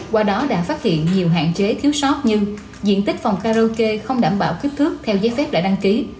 qua đó đã phát hiện nhiều hạn chế thiếu sót như diện tích phòng karaoke không đảm bảo kích thước theo giấy phép đã đăng ký